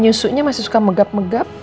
nyusuknya masih suka megap megap